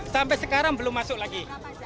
sampai sekarang belum masuk lagi